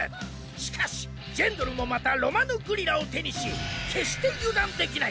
しかしジェンドルもまたロマノグリラを手にし決して油断できない！